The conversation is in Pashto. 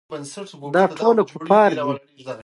هم په څو شیبو کې را ورسېږي او موټروانان به خپله حصه واخلي.